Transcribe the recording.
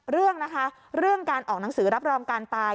เรื่องนะคะเรื่องการออกหนังสือรับรองการตาย